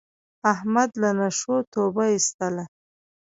احمد له نشو توبه ایستله.